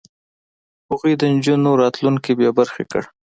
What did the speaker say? هغوی د نجونو راتلونکی بې برخې کړ.